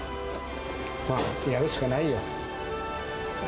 やるしかないよ。